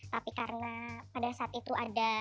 tapi karena pada saat itu ada